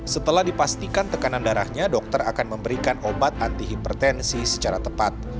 setelah dipastikan tekanan darahnya dokter akan memberikan obat anti hipertensi secara tepat